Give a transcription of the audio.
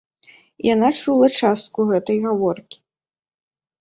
Яна чула частку гэтай гаворкі.